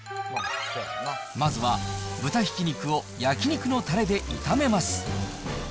まずは豚ひき肉を焼き肉のたれで炒めます。